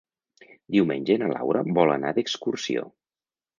Diumenge na Laura vol anar d'excursió.